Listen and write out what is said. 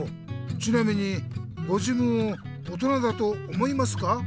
ちなみにご自分を大人だと思いますか？